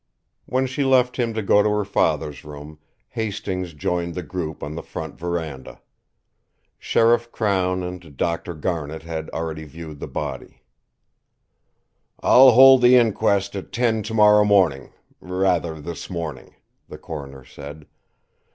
When she left him to go to her father's room, Hastings joined the group on the front verandah. Sheriff Crown and Dr. Garnet had already viewed the body. "I'll hold the inquest at ten tomorrow morning, rather this morning," the coroner said.